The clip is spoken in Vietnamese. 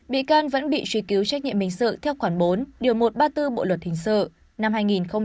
bị can vẫn bị truy cứu trách nhiệm hình sự theo khoản bốn điều một trăm ba mươi bốn bộ luật hình sự năm hai nghìn một mươi năm